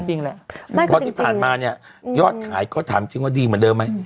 เพราะที่ผ่านมาเนี่ยยอดขายก็ถามจริงว่าดีเหมือนเดิมไหม